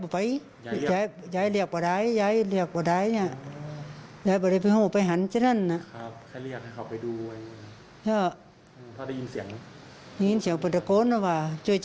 มีเสียงมีเสียงปฏิกรนะว่าจุดจริงมีบาดมืออีกแล้วนะ